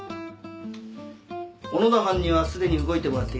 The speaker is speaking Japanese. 小野田班にはすでに動いてもらっている。